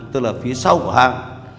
tức là phía sau của hàng